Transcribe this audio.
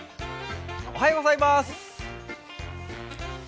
おはようございます。